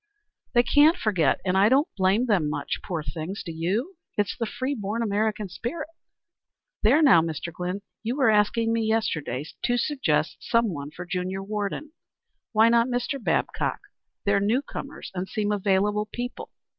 "They can't forget, and I don't blame them much, poor things, do you? It's the free born American spirit. There now, Mr. Glynn, you were asking me yesterday to suggest some one for junior warden. Why not Mr. Babcock? They're new comers and seem available people."